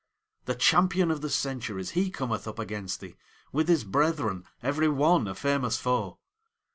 The champion of the centuries, he cometh up against thee, With his brethren, everyone a famous foe!